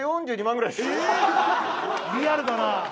リアルだな。